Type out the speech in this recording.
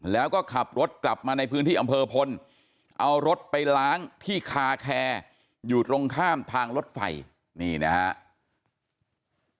แล้วก็ขับรถกลับมาในพื้นที่อำเภอพลเอารถไปล้างที่คาแคร์อยู่ตรงข้ามทางรถไฟนี่นะครับ